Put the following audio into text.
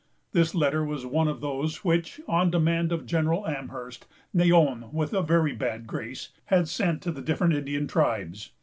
This letter was one of those which, on demand of General Amherst, Neyon, with a very bad grace, had sent to the different Indian tribes.